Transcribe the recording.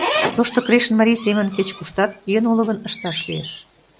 Тошто Крешын марий семын кеч-куштат, йӧн уло гын, ышташ лиеш.